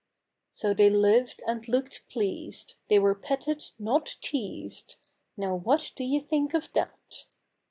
So they lived and looked pleased — they were petted not teased — Now what do you think of that?